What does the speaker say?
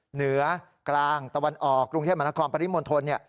เหนือกลางตะวันออกกรุงเทพมหานครปริมณฑล